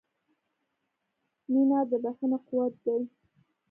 • مینه د بښنې قوت دی.